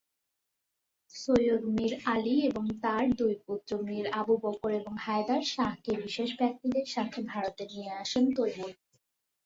সৈয়দ মীর আলী এবং তাঁর দুই পুত্র "মীর আবু বকর" এবং "হায়দার শাহকে" বিশেষ ব্যক্তিদের সাথে ভারতে নিয়ে আসেন তৈমুর।